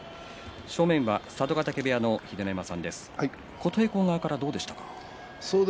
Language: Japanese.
正面には佐渡ヶ嶽部屋の秀ノ山さんです。